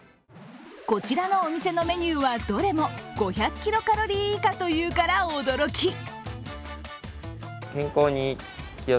こちらのお店のメニューはどれも５００キロカロリー以下というから驚き。